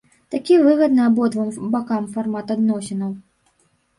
Такі выгадны абодвум бакам фармат адносінаў.